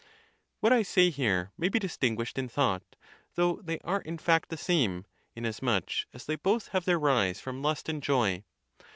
What I say here may be distinguished in thought, though they are in fact the same; inasmuch as they both have their rise from lust and joy.